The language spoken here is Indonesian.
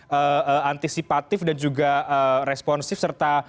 apa sebetulnya pak antisipatif dan juga responsif serta